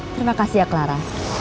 terima kasih ya clara